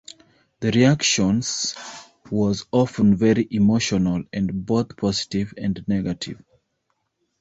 The reactions was often very emotional, and both positive and negative.